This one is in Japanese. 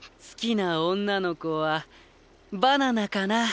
好きな女の子はバナナかな。